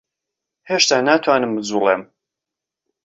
هێشتا ناتوانم بجووڵێم.